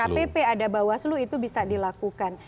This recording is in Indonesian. ada dkpp ada bawaslu itu bisa dilakukan